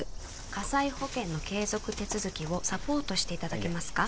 「火災保険の継続手続きをサポートしていただけますか？」